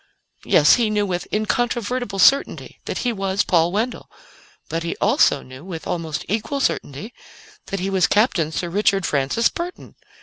Yes, he knew with incontrovertible certainty that he was Paul Wendell. But he also knew, with almost equal certainty, that he was Captain Sir Richard Francis Burton.